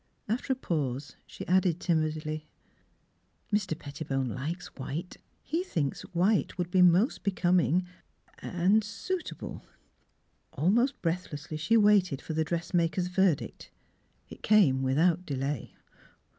After a pause she added timidly, Miss Philura's Wedding Gown " Mr. Pettibone likes white. He thinks white would be most becoming and — and suitable." Almost breathlessly she waited for the dressmaker's verdict. It came without delay.